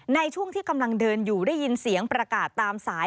ในช่วงที่กำลังเดินอยู่ได้ยินเสียงประกาศตามสาย